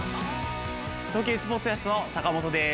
東急スポーツオアシスの坂本です。